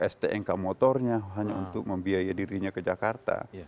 stnk motornya hanya untuk membiaya dirinya ke jakarta